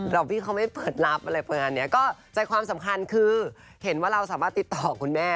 พี่เขาไม่เปิดรับอะไรประมาณเนี้ยก็ใจความสำคัญคือเห็นว่าเราสามารถติดต่อคุณแม่